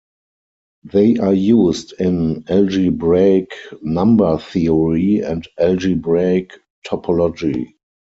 They are used in algebraic number theory and algebraic topology.